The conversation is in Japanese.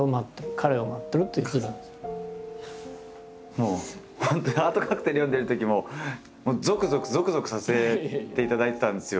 もう本当に「ハートカクテル」読んでるときもゾクゾクゾクゾクさせていただいてたんですよ